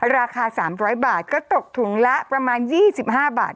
ราคา๓๐๐บาทก็ตกถุงละประมาณ๒๕บาท